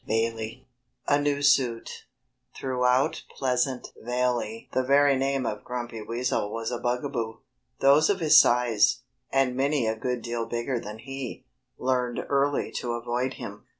XXI A NEW SUIT Throughout Pleasant Valley the very name of Grumpy Weasel was a bugaboo. Those of his size, and many a good deal bigger than he, learned early to avoid him.